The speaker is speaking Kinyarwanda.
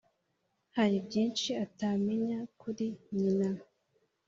hari byinshi atamenya kuri nyina. “